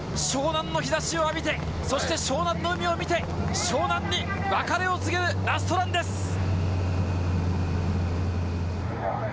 湘南の日差しを浴びてそして湘南の海を見て湘南に別れを告げるラストランです！